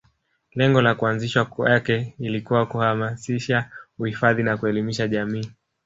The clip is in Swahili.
Lengo la kuanzishwa kwake ilikuwa kuhamasisha uhifadhi na kuelimisha jamii